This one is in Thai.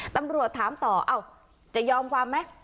ตำรวจถามต่อจะยอมความไหม